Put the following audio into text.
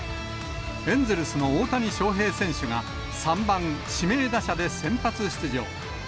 エンゼルスの大谷翔平選手が、３番指名打者で先発出場。